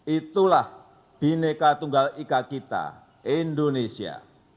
itulah bineka tunggal ika kita indonesia